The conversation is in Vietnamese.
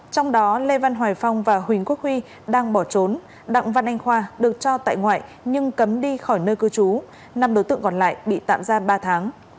trong đó lê văn hoài phong và huỳnh quốc huy đang bỏ trốn đặng văn anh khoa được cho tại ngoại nhưng cấm đi khỏi nơi cư trú năm đối tượng còn lại bị tạm giam ba tháng